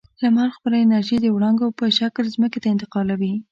لمر خپله انرژي د وړانګو په شکل ځمکې ته انتقالوي.